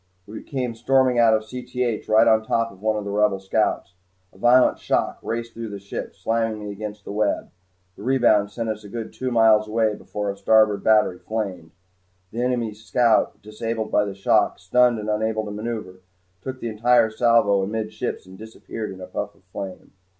We came storming out of Cth right on top of one of the Rebel scouts. A violent shock raced through the ship, slamming me against my web. The rebound sent us a good two miles away before our starboard battery flamed. The enemy scout, disabled by the shock, stunned and unable to maneuver took the entire salvo amidships and disappeared in a puff of flame.